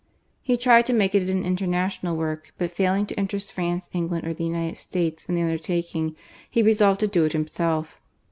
He tried to make it an international work: but failing to interest France, England, or the United States, in the undertaking, he resolved to do it himself.